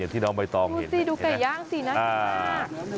อย่างที่น้องไม่ต้องเห็นดูสิดูไก่ย่างสีน้อยมาก